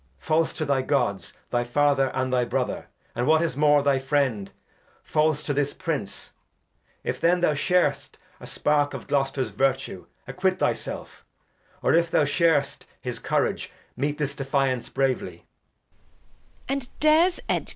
False to thy Gods, thy Father, and thy Brother, And what is more, thy Friend, false to this Prince : If then thou shar'st a Spark of Gloster' s Virtue, Acquit thy self ; or if thou shar'st his Courage, Meet this Defiance bravely.